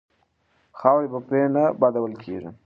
خاورې به پرې نه بادول کیږي.